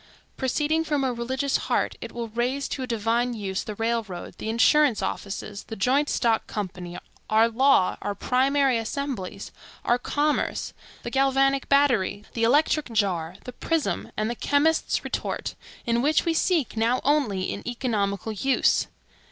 Proceeding from a religious heart it will raise to a divine use the railroad, the insurance office, the joint stock company; our law, our primary assemblies, our commerce, the galvanic battery, the electric jar, the prism, and the chemist's retort; in which we seek now only an economical use.